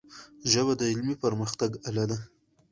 ژبه د علمي پرمختګ آله ده.